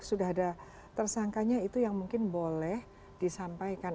sudah ada tersangkanya itu yang mungkin boleh disampaikan